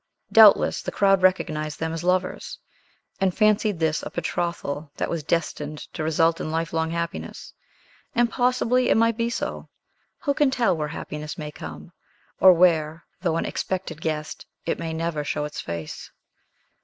Doubtless the crowd recognized them as lovers, and fancied this a betrothal that was destined to result in lifelong happiness. And possibly it might be so. Who can tell where happiness may come; or where, though an expected guest, it may never show its face?